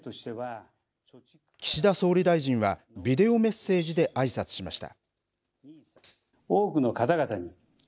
岸田総理大臣はビデオメッセージであいさつしました。